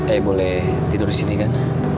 eh boleh tidur disini kan